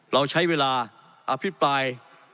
เราใช้เวลาอภิปราย